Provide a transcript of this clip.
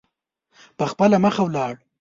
په خپله مخه ولاړل.